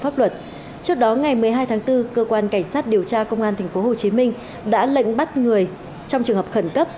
trước đó ngày một mươi hai tháng bốn cơ quan cảnh sát điều tra công an tp hcm đã lệnh bắt người trong trường hợp khẩn cấp